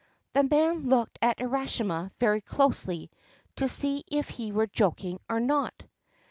The man looked at Urashima very closely to see if he were joking or not.